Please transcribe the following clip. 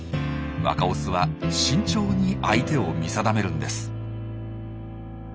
若オスは慎重に相手を見定めるんです。